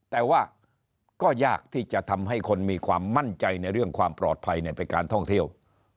แต่ว่าก็ยากที่จะทำให้คนมีความมั่นใจในเรื่องความปลอดภัยในไปการท่องเที่ยว